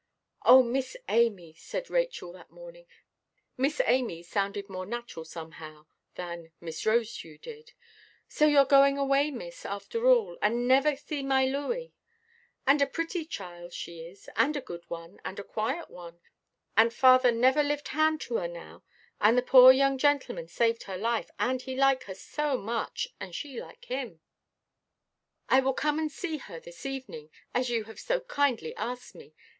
"Oh, Miss Amy," said Rachel that morning—"Miss Amy" sounded more natural somehow than "Miss Rosedew" did—"so youʼre going away, miss, after all, and never see my Looey; and a pretty child she is, and a good one, and a quiet one, and father never lift hand to her now; and the poor young gentleman saved her life, and he like her so much, and she like him." "I will come and see her this evening, as you have so kindly asked me.